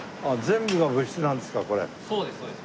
そうですそうです。